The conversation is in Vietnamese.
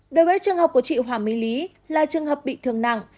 đối với trường hợp của chị hoàng mỹ lý là trường hợp bị thương nặng